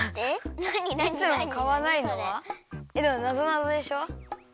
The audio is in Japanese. でもなぞなぞでしょ？